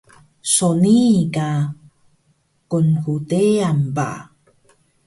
so nii ka qnhdean ba